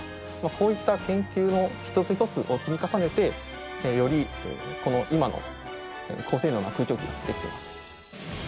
こういった研究の一つ一つを積み重ねてよりこの今の高性能な空調機が出来てます。